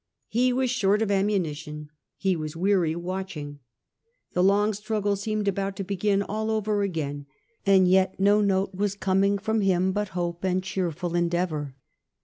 He was short of ammunition, he was weary watching, the long struggle seemed about to begin all over again, and yet no note was coming from him but hope and cheerful endeavour.